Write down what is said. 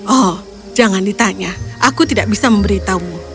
oh jangan ditanya aku tidak bisa memberitahumu